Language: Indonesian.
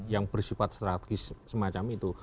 yang bersifat strategis semacam itu